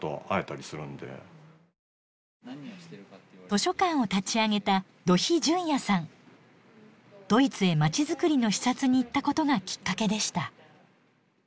図書館を立ち上げたドイツへまちづくりの視察に行ったことがきっかけでした。